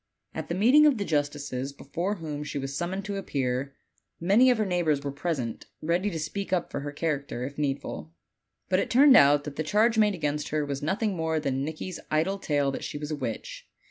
At the meeting of the justices, hefore whom she was summoned to appear, many of her neighbors were pres ent, ready to speak up for her character, if needful. But it turned out that the charge made against her wag nothing more than Nicky's idle tale that she was a witch.